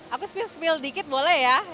aku spill smill dikit boleh ya